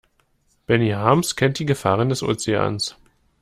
Benny Harms kennt die Gefahren des Ozeans.